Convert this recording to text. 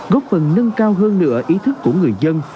góp phần nâng cao hơn nửa ý thức của người dân